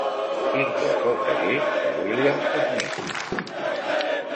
Inclòs el taller de William Smith.